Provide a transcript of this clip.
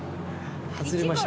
外れました